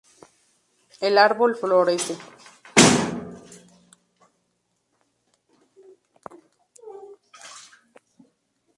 El árbol florece.